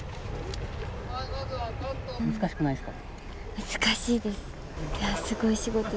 難しくないですか？